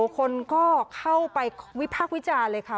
คนก็เข้าไปวิพากษ์วิจารณ์เลยค่ะ